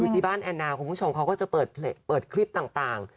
ที่บ้านแอนนาคุณผู้ชมเขาก็จะเปิดคลิปต่าง